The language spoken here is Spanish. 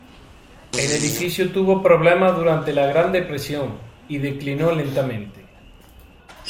El edificio tuvo problemas durante la Gran Depresión, y declinó lentamente.